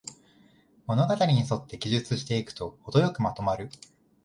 物語にそって記述していくと、ほどよくまとまる